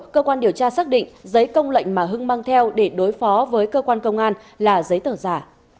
cơ quan điều tra xác định giấy công lệnh mà hưng mang theo để đối phó với cơ quan công an là giấy tờ giả